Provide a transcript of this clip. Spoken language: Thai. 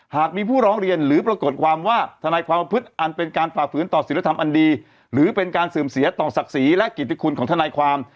หากมีผู้ร้องเรียนหรือปรากฏความว่าทนายความประพฤติอันเป็นการฝ่าฝืนต่อศิลธรรมอันดีหรือเป็นการเสื่อมเสียต่อศักดิ์ศรีและกิจคุณของทนายความ